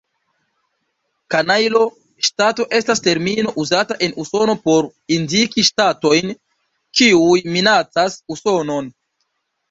Kanajlo-ŝtato estas termino uzata en Usono por indiki ŝtatojn, kiuj minacas Usonon.